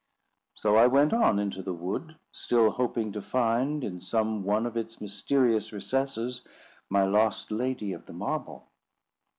So I went on into the wood, still hoping to find, in some one of its mysterious recesses, my lost lady of the marble.